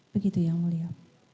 begitu ya mulia